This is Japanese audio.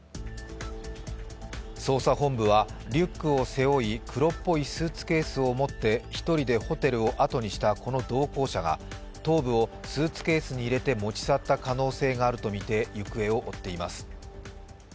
捜査本部はリュックを背負い黒っぽいスーツケースを持ったこの同行者が１人でホテルを後にしたこの同行者が頭部をスーツケースに入れて持ち去った可能性があるとみて行方を追っています。